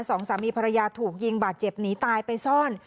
สองสามีภรรยาถูกยิงบาดเจ็บหนีตายไปซ่อน